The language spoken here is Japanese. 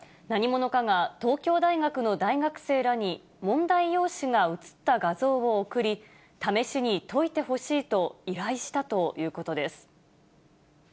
何者かが、東京大学の大学生らに問題用紙が写った画像を送り、試しに解いてほしいと依頼したということです。